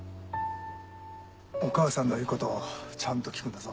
お母さんの言うことちゃんと聞くんだぞ。